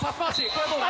これはどうだ？